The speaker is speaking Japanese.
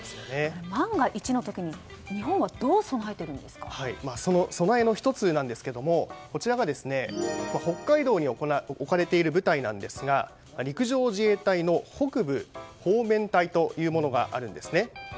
万が一の時に備えの１つなんですがこちらが北海道に置かれている部隊なんですが陸上自衛隊の北部方面隊というものがあるんです。